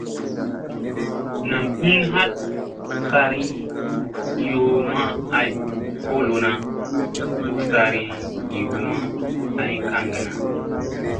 Nam hin ɦat sari yoo ma ay kolona u sari yoo ma ay kaŋgana.